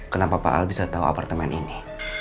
kenapa pak al bisa tahu apartemen ini